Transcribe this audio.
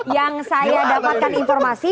yang saya dapatkan informasi